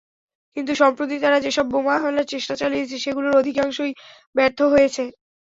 কিন্তু সম্প্রতি তারা যেসব বোমা হামলার চেষ্টা চালিয়েছে, সেগুলোর অধিকাংশই ব্যর্থ হয়েছে।